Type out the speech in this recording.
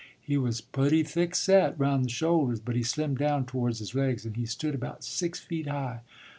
He was putty thickset, round the shoulders, but he slimmed down towards his legs, and he stood about six feet high.